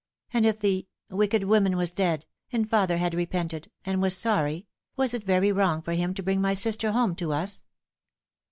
And if the wicked woman was dead, and father had repented, and was sorry, was it very wrong for him to bring my sister home to ns